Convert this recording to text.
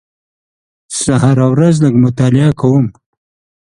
زه هره ورځ لږ مطالعه کوم.